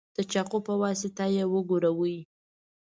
د چاقو په واسطه یې وګروئ.